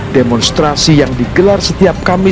demonstrasi yang digelar setiap kamis